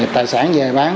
tài sản về bán